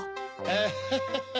アハハハ